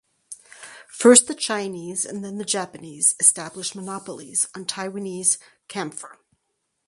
First the Chinese and then the Japanese established monopolies on Taiwanese camphor.